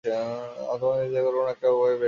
তোমার নিজেকেই কোনো একটা উপায় বের করতে হবে।